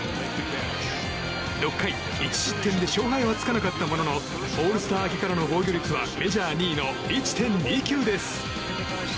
６回１失点で勝敗はつかなかったもののオールスター明けからの防御率はメジャー２位の１．２９です。